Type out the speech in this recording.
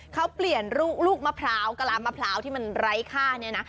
เขาเปลี่ยนลูกมะพร้าวกะลามะพร้าวที่มันไร้ค่าเนี่ยนะ